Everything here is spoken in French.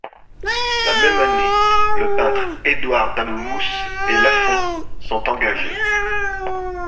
La même année, le peintre Édouard Dammousse et Lafont sont engagés.